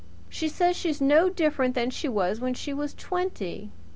She says she's no different than she was when she was twenty.